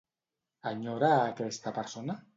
Enyora a aquesta persona?